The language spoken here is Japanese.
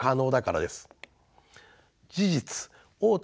事実大手